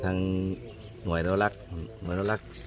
ตอนนี้เจออะไรบ้างครับ